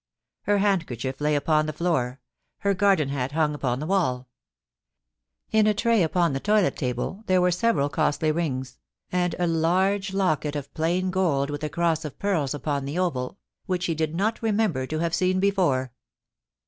Her handkerchief lay upon the floor, her garden hat hung upon the wall In a tray upon the toilet table there were several costly rings, and a large locket of plain gold with a cross of pearls upon the oval, which he did not remember to have seen before.